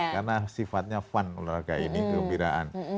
karena sifatnya fun olahraga ini kegembiraan